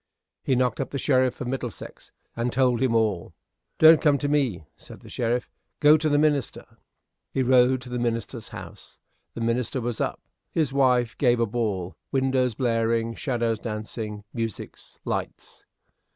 He knocked up the sheriff of Middlesex, and told him all. "Don't come to me," said the sheriff; "go to the minister." He rode to the minister's house. The minister was up. His wife gave a ball windows blaring, shadows dancing musics lights.